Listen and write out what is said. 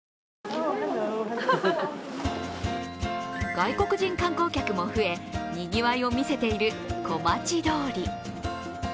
外国人観光客も増えにぎわいを見せている小町通り。